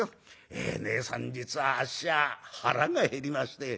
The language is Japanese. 『ええねえさん実はあっしは腹が減りまして』」。